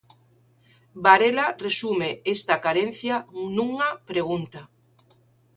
Varela resume esta carencia nunha pregunta.